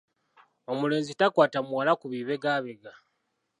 Omulenzi takwata muwala ku bibegabega